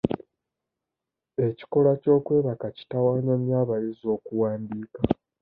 Ekikolwa ky'okwebaka kitawaanya nnyo abayizi okuwandiika.